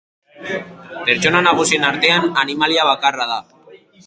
Pertsonaia nagusien artean, animalia bakarra da.